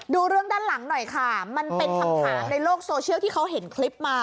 ดูเรื่องด้านหลังหน่อยค่ะมันเป็นคำถามในโลกโซเชียลที่เขาเห็นคลิปมา